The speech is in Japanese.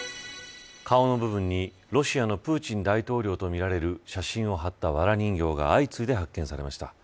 顔の部分に、ロシアのプーチン大統領とみられる写真を貼ったわら人形が相次いで発見されました。